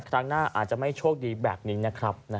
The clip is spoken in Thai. ครั้งหน้าอาจจะไม่โชคดีแบบนี้นะครับ